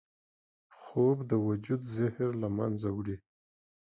خوب د وجود زهر له منځه وړي